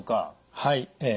はい。